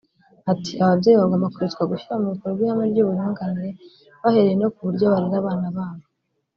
Ati “Ababyeyi bagomba kwibutswa gushyira mu bikorwa ihame ry’uburinganire bahereye no ku buryo barera abana babo